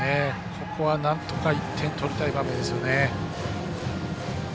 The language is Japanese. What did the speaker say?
ここは、なんとか１点取りたい場面ですよね。